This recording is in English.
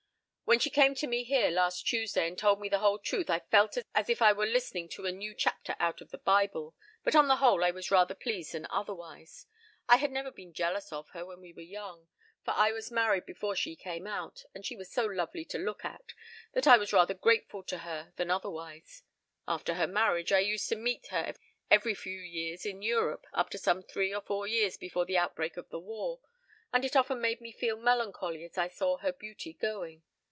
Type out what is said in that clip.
"When she came to me here last Tuesday and told me the whole truth I felt as if I were listening to a new chapter out of the Bible, but on the whole I was rather pleased than otherwise. I had never been jealous of her when we were young, for I was married before she came out, and she was so lovely to look at that I was rather grateful to her than otherwise. After her marriage I used to meet her every few years in Europe up to some three or four years before the outbreak of the war, and it often made me feel melancholy as I saw her beauty going